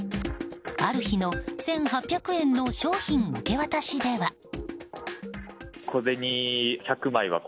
ある日の１８００円の商品受け渡しでは。